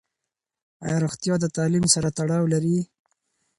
ایا روغتیا د تعلیم سره تړاو لري؟